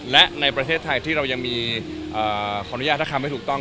และในประเทศไทยที่เรายังมีขออนุญาตถ้าคำให้ถูกต้อง